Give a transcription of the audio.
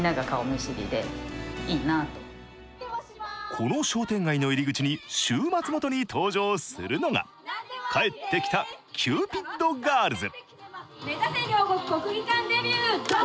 この商店街の入り口に、週末ごとに登場するのが、帰ってきたキューピッドガールズ。